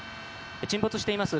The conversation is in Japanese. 沈没しています